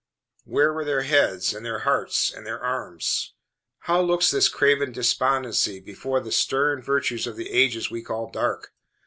Where were their heads, and their hearts, and their arms? How looks this craven despondency, before the stern virtues of the ages we call dark?